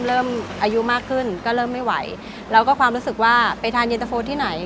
เริ่มอายุมากขึ้นก็เริ่มไม่ไหวแล้วก็ความรู้สึกว่าไปทานเย็นตะโฟที่ไหน